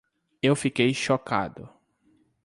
Eu fiquei chocado.